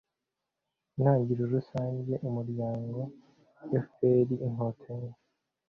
intangiriro rusange umuryango fpr-inkotanyi